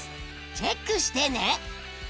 チェックしてね。